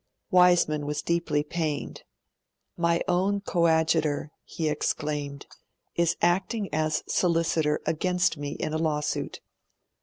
Wiseman was deeply pained: 'My own co adjutor,' he exclaimed, 'is acting as solicitor against me in a lawsuit.'